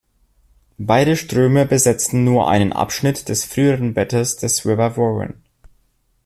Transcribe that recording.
Beide Ströme besetzen nur einen Abschnitt des früheren Bettes des River Warren.